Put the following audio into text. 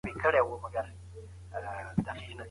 هغې جار نه وهه چې زه څه کوم.